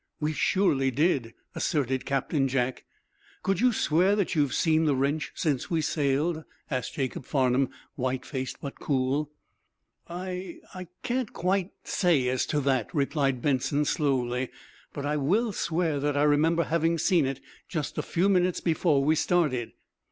"We surely did," asserted Captain Jack. "Could you swear that you have seen the wrench since we sailed?" asked Jacob Farnum, white faced but cool. "I I can't quite say as to that," replied Benson, slowly. "But I will swear that I remember having seen it just a few minutes before we started."